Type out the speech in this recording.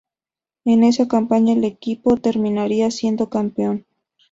En esa campaña el equipo terminaría siendo campeón.